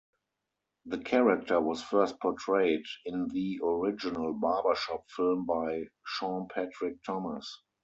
The character was first portrayed in the original "Barbershop" film by Sean Patrick Thomas.